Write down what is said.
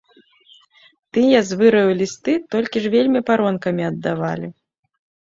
Тыя з выраю лісты толькі ж вельмі паронкамі аддавалі.